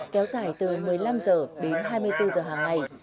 kéo dài từ một mươi năm h đến hai mươi bốn h hàng ngày